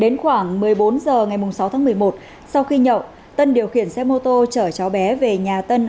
đến khoảng một mươi bốn h ngày sáu tháng một mươi một sau khi nhậu tân điều khiển xe mô tô chở cháu bé về nhà tân